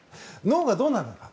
脳がどうなるのか。